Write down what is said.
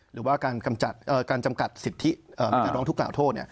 หรือว่าการจำกัดสิทธิมีการร้องทุกกล่าวโทษ